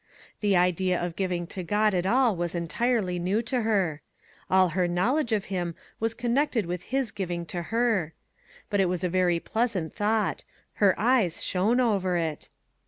The idea of giving to God at all was entirely new to her. All her knowledge of him was connected with his giv ing to her. But it was a very pleasant thought; her eyes shone over it.